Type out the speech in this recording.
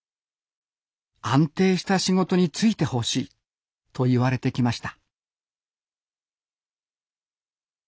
安定した仕事に就いてほしい」と言われてきました